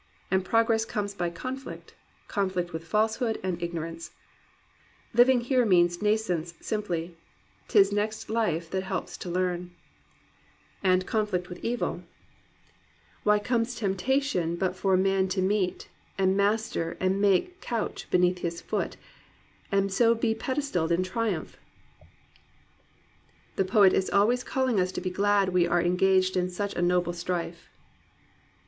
And progress comes by conflict; conflict with falsehood and ignorance, — "Living here means nescience simply; 'tis next life that helps to learn " and conflict with evil, — 280 GLORY OF THE IMPERFECT'* "Why comes temptation but for man to meet. And master and make crouch beneath his foot. And so be pedestalled in triumph?" The poet is always calling us to be glad we are en gaged in such a noble strife.